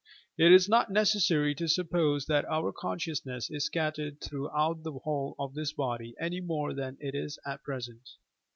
It is not necessary to suppose that our consciousness is scattered throughout the whole of this body any more than it is at present.